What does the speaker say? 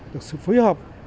được sự phối hợp